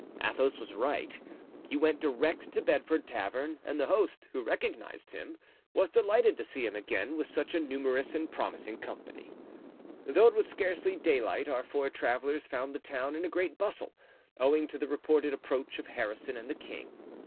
Athos was right. He went direct to the Bedford Tavern, and the host, who recognized him, was delighted to see him again with such a numerous and promising company. Though it was scarcely daylight our four travelers found the town in a great bustle, owing to the reported approach of Harrison and the king.